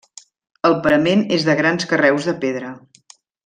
El parament és de grans carreus de pedra.